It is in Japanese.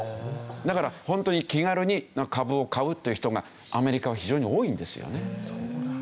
だからホントに気軽に株を買うという人がアメリカは非常に多いんですよね。